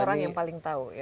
orang yang paling tau ya